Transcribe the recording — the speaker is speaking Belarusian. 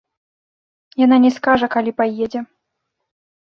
Яна не скажа, калі паедзе.